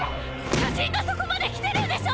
巨人がそこまで来てるんでしょ